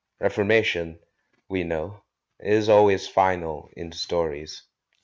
Reformation, we know, is always final — in stories.